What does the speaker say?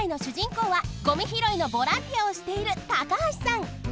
こうはごみひろいのボランティアをしている高橋さん！